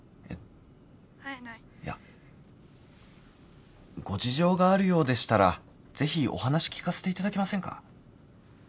いやご事情があるようでしたらぜひお話聞かせていただけませんか？